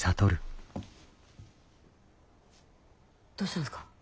どうしたんですか？